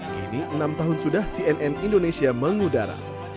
kini enam tahun sudah cnn indonesia mengudara